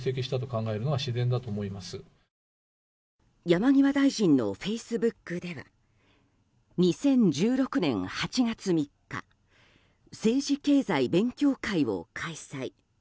山際大臣のフェイスブックでは２０１６年８月３日政治経済勉強会を開催。